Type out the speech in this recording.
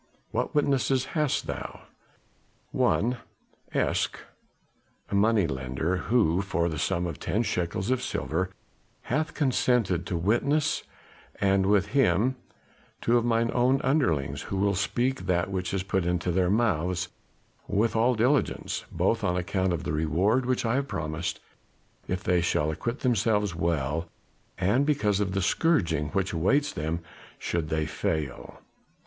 What witnesses hast thou?" "One Esek a money lender who for the sum of ten shekels of silver hath consented to witness; and with him two of mine own underlings, who will speak that which is put into their mouths with all diligence, both on account of the reward which I have promised if they shall acquit themselves well, and because of the scourging which awaits them should they fail.